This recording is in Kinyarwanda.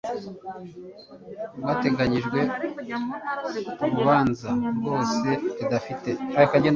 ryateganyijwe ku rubanza rwose ridafite